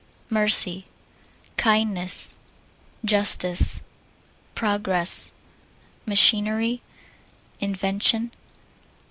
Mercy. Kindness. Justice. Progress. Machinery. Invention.